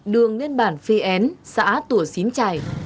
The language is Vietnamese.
đường lên bản phi én xã tùa xín trải